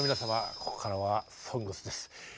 ここからは「ＳＯＮＧＳ」です。